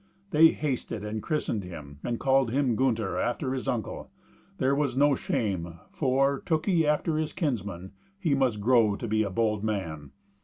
They hasted and christened him, and called him Gunther, after his uncle; that was no shame, for, took he after his kinsmen, he must grow to be a bold man.